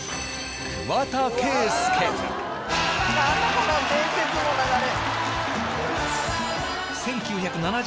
この伝説の流れ。